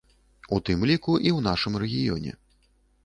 У тым ліку, і ў нашым рэгіёне.